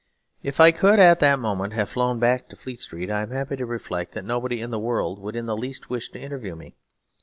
If I could at that moment have flown back to Fleet Street I am happy to reflect that nobody in the world would in the least wish to interview me.